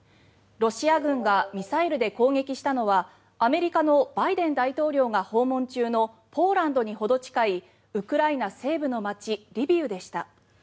ロシア軍がミサイルで攻撃したのはアメリカのバイデン大統領が訪問中のポーランドにほど近いウクライナ西部の街リビウでした。